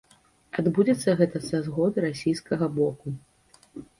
Адбудзецца гэта са згоды расійскага боку.